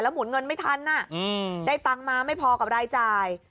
หมุนเงินไม่ทันได้ตังค์มาไม่พอกับรายจ่าย